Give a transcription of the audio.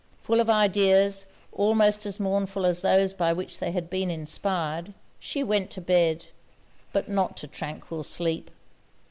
Full of ideas almost as mournful as those by which they had been inspired, she went to bed, but not to tranquil sleep.